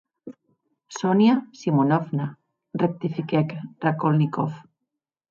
Sonia Simonovna, rectifiquèc Raskolnikov.